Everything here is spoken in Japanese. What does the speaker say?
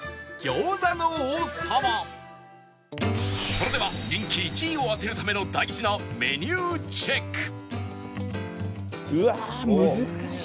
それでは人気１位を当てるための大事なうわあ難しいな。